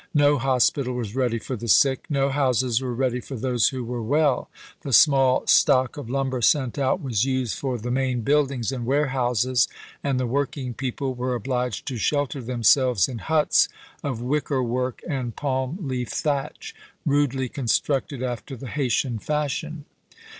No hos pital was ready for the sick, no houses were ready for those who were well, the small stock of lumber sent out was used for the main buildings and ware houses, and the working people were obliged to shelter themselves in huts of wickerwork and palm leaf thatch, rudely constructed after the Haytian fashion.